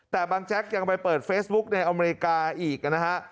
แต่บางแจ๊กยังไปเปิดเฟซบุ๊กในอเมริกาอีกนะฮะ